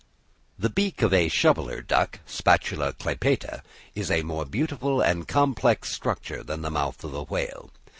The beak of a shoveller duck (Spatula clypeata) is a more beautiful and complex structure than the mouth of a whale.